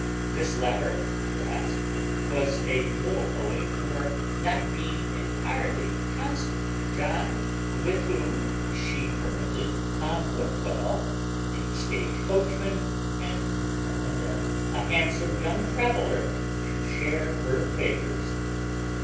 This latter, perhaps, was a little owing to her not being entirely constant to John, with whom she permitted Tom Whipwell the stage coachman, and now and then a handsome young traveller, to share her favours.